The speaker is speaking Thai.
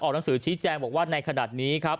หนังสือชี้แจงบอกว่าในขณะนี้ครับ